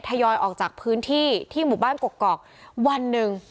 ยอยออกจากพื้นที่ที่หมู่บ้านกกอกวันหนึ่ง